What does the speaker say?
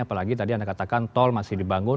apalagi tadi anda katakan tol masih dibangun